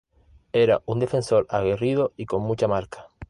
Era un defensor aguerrido y con mucha marca.